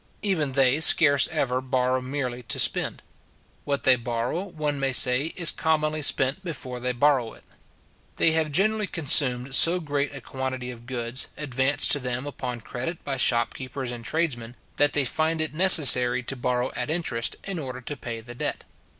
Even they scarce ever borrow merely to spend. What they borrow, one may say, is commonly spent before they borrow it. They have generally consumed so great a quantity of goods, advanced to them upon credit by shop keepers and tradesmen, that they find it necessary to borrow at interest, in order to pay the debt.